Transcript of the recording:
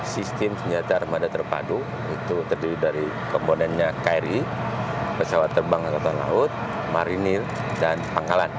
sistem senjata armada terpadu itu terdiri dari komponennya kri pesawat terbang angkatan laut marinir dan pangkalan